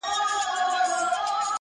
خــو ســــمـدم~